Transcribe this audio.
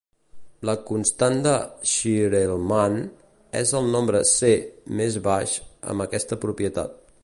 La constant de Schnirelmann és el nombre C més baix amb aquesta propietat.